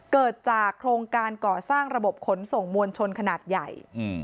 เกิดจากโครงการก่อสร้างระบบขนส่งมวลชนขนาดใหญ่